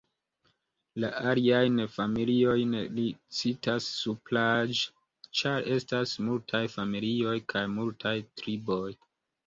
La aliajn familiojn li citas supraĵe, ĉar estas multaj familioj kaj multaj triboj.